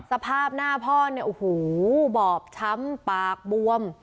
สภาพหน้าพ่อเนี่ยโอ้โหบอบช้ำปากบวม